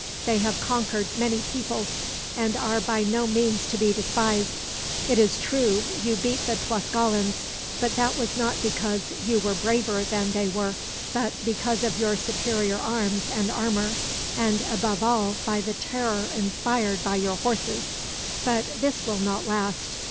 They have conquered many peoples, and are by no means to be despised. It is true you beat the Tlascalans, but that was not because you were braver than they were, but because of your superior arms and armor, and above all by the terror inspired by your horses but this will not last.